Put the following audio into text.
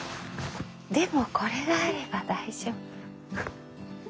でもこれがあれば大丈夫。